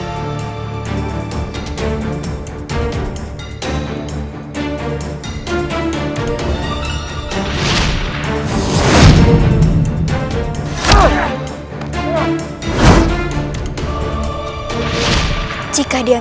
akhirnya kita tahu